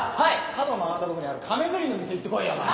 角を曲がったとこにある亀ゼリーの店行ってこいよお前。